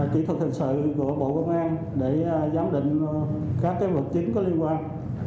kỹ thuật hình sự của bộ công an để giám định các vật chứng có liên quan